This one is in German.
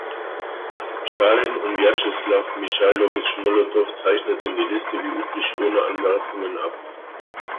Stalin und Wjatscheslaw Michailowitsch Molotow zeichneten die Liste wie üblich ohne Anmerkungen ab.